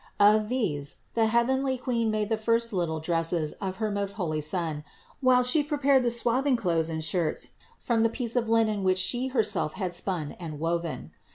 Of these the heavenly Queen made the first little dresses of her most holy Son, while She prepared the swathing clothes and shirts from the piece of linen which She herself had spun and woven.